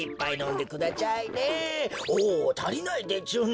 おたりないでちゅね。